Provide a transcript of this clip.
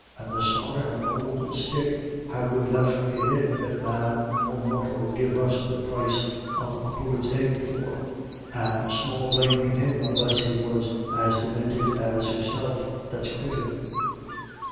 And the sorra an ould stick have we left in it that man or mortal 'ud give us the price of a pullet's egg for and small blame to him, unless he was as deminted as herself that's quittin'."